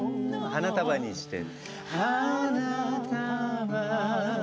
「花束にして」